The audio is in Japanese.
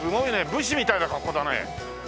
武士みたいな格好だね。